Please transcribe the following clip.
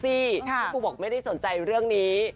ซึ่งปูบอกไม่ได้สนใจเรื่องนี้